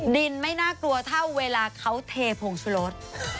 ดินไม่น่ากลัวเท่าเวลาเขาเทผงสุรส